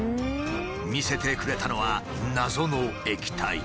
見せてくれたのは謎の液体。